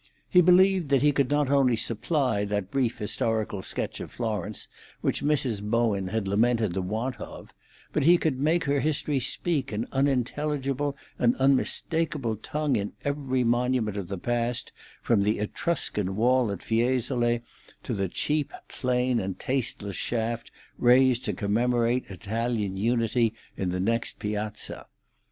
He believed that he could not only supply that brief historical sketch of Florence which Mrs. Bowen had lamented the want of, but he could make her history speak an unintelligible, an unmistakeable tongue in every monument of the past, from the Etruscan wall at Fiesole to the cheap, plain, and tasteless shaft raised to commemorate Italian Unity in the next piazza.